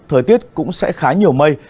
thời tiết cũng sẽ khá nhiều mây